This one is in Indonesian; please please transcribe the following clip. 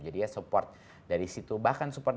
jadi support dari situ bahkan support